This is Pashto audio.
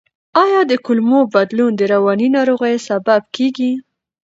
آیا د کولمو بدلون د رواني ناروغیو سبب کیږي؟